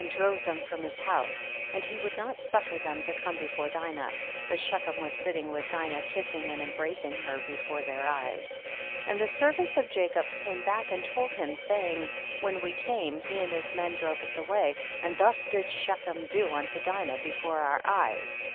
97 drove them from his house, and he would not suffer them to come before Dinah, but Shechem was silting with Dinah kissing and embracing her before their eves. 14. And tlie servants of Jacob came back and told him, saying, when we came, he and his men drove us away, and thus did fShechem do unto Dinah before our eves.